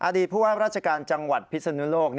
อดีตผู้ว่าราชการจังหวัดพิษณุนโลก